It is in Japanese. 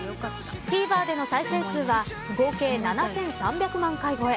ＴＶｅｒでの再生数は合計７３００万回超え。